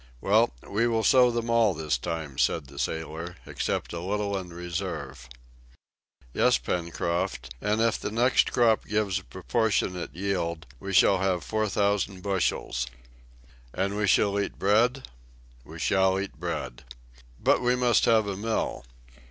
"Well, we will sow them all this time," said the sailor, "except a little in reserve." "Yes, Pencroft, and if the next crop gives a proportionate yield, we shall have four thousand bushels." "And shall we eat bread?" "We shall eat bread." "But we must have a mill.